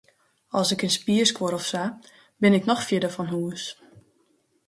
As ik in spier skuor of sa, bin ik noch fierder fan hûs.